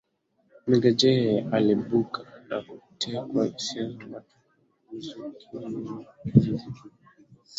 Nigga Jay aliibuka na kuteka hisia za watu kwenye mziki huo wa kizazi kipya